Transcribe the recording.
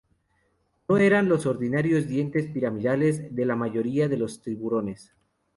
No eran los ordinarios dientes piramidales de la mayoría de los tiburones.